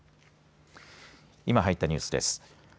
今入ったニュースです。